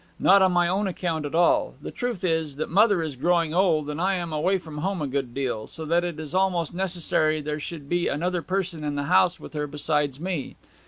Not on my own account at all. The truth is, that mother is growing old, and I am away from home a good deal, so that it is almost necessary there should be another person in the house with her besides me.